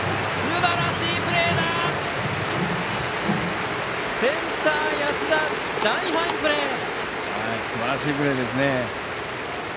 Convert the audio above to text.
すばらしいプレーですね。